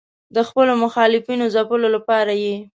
د خپلو مخالفینو ځپلو لپاره یې.